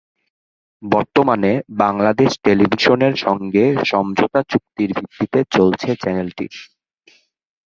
বর্তমানে বাংলাদেশ টেলিভিশনের সঙ্গে সমঝোতা চুক্তির ভিত্তিতে চলছে চ্যানেলটি।